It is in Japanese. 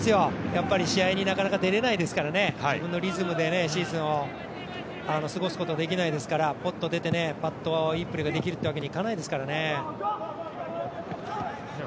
やっぱり試合になかなか出られないですからね自分のリズムでシーズンを過ごすことができないですから、もっと出て、パッといいプレーができるというわけにいかないですからね。